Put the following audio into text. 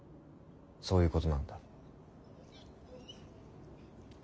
そういうことなんだ。